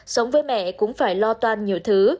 sống với mẹ cũng phải lo toan nhiều thứ